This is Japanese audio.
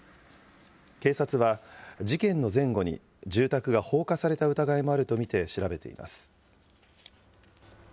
警察は、事件の前後に住宅が放火された疑いもあると見て、調べています。